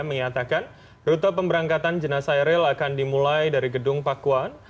menyatakan rute pemberangkatan jenazah eril akan dimulai dari gedung pakuan